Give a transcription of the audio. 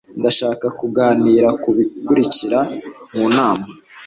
Ndashaka kuganira ku bikurikira mu nama.